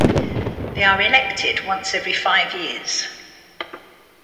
They are elected once every five years.